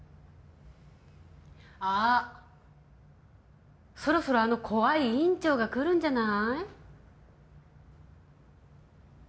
あッそろそろあの怖い医院長が来るんじゃない？